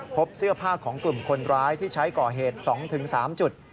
พบเสื้อผ้าของกลุ่มคนร้ายที่ใช้ก่อเหตุ๒๓จุด